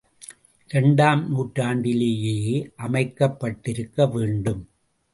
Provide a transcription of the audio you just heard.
இரண்டாம் நூற்றாண்டிலேயே அமைக்கப்பட்டிருக்க வேண்டும்.